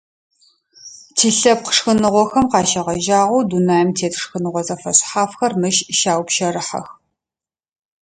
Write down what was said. Тилъэпкъ шхыныгъохэм къащегъэжьагъэу, дунаим тет шхыныгъо зэфэшъхьафхэр мыщ щаупщэрыхьэх.